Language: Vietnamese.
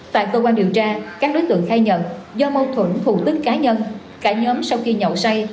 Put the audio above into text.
tại cơ quan điều tra các đối tượng khai nhận do mâu thuẫn thủ tức cá nhân cả nhóm sau khi nhậu say